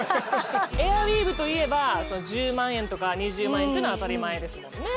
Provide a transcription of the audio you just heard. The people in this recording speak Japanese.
エアウィーヴといえば１０万円とか２０万円っていうのは当たり前ですもんね